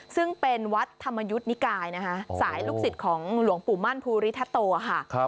ซึ่งเป็นวัดธรรมยุทธ์นิกายนะคะสายลูกศิษย์ของหลวงปู่มั่นภูริทโตค่ะ